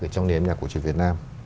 trong nền âm nhạc cổ trị việt nam